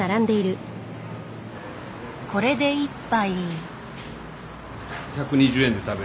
これで１杯。